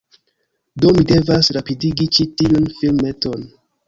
Do mi devas rapidigi ĉi tiun filmeton.